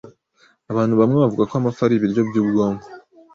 Abantu bamwe bavuga ko amafi ari ibiryo byubwonko.